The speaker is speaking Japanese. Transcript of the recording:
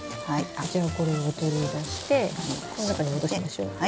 じゃあこれを取り出してこの中に戻しちゃいましょう。